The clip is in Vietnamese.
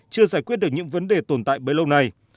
chưa giải quyết được những vấn đề tồn tại bấy lâu nay